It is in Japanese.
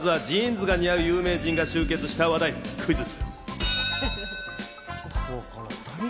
ジーンズが似合う芸能人が集結したこの話題からクイズッス。